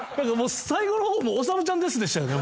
最後のほうもう「おさむちゃんです！」でしたよね？